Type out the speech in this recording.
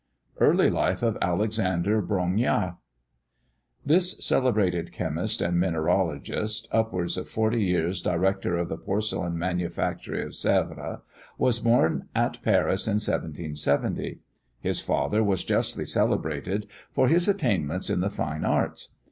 EARLY LIFE OF ALEXANDER BRONGNIART. This celebrated chemist and mineralogist, upwards of forty years director of the porcelain manufactory of Sèvres, was born at Paris in 1770. His father was justly celebrated for his attainments in the fine arts.